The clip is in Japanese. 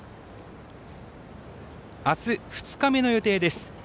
あす、２日目の予定です。